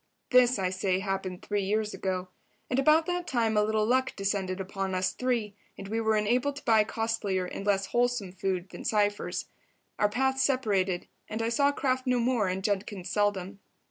This, I say, happened three years ago. And about that time a little luck descended upon us three, and we were enabled to buy costlier and less wholesome food than Cypher's. Our paths separated, and I saw Kraft no more and Judkins seldom.